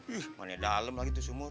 ih mana dalem lagi tuh sumur